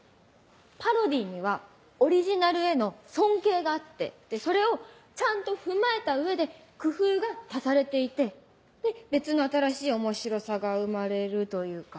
パロディーにはオリジナルへの尊敬があってでそれをちゃんと踏まえた上で工夫が足されていてで別の新しい面白さが生まれるというか。